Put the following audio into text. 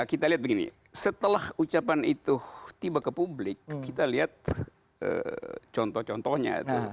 kita lihat begini setelah ucapan itu tiba ke publik kita lihat contoh contohnya